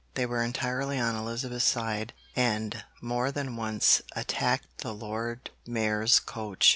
They were entirely on Elizabeth's side, and more than once attacked the Lord Mayor's coach.